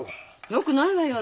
よくないわよ。